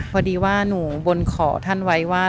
พอดีว่าหนูบนขอท่านไว้ว่า